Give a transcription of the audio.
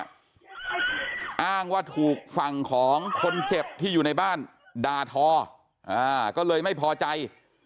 อ้างว่าถูกฝั่งของคนเจ็บที่อยู่ในบ้านด่าทอก็เลยไม่พอใจ